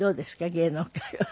芸能界は。